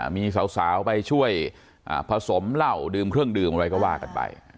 มีสาวไปช่วยผสมเหล้าดื่มเครื่องดื่มอะไรก็ว่ากันไป